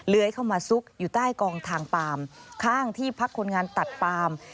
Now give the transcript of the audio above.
เข้ามาซุกอยู่ใต้กองทางปาล์มข้างที่พักคนงานตัดปาม